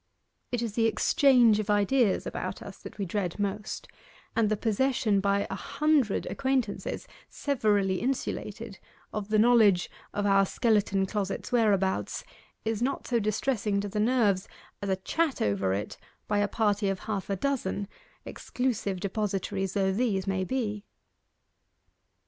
It is the exchange of ideas about us that we dread most; and the possession by a hundred acquaintances, severally insulated, of the knowledge of our skeleton closet's whereabouts, is not so distressing to the nerves as a chat over it by a party of half a dozen exclusive depositaries though these may be.